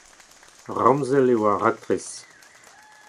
Ramzel eo ar raktres.